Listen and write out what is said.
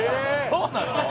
そうなの？